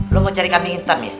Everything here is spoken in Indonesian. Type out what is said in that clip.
lo mau cari kambing hitam ya